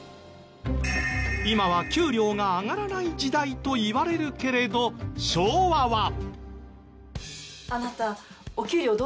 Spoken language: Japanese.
今は給料が上がらない時代といわれるけれど昭和は。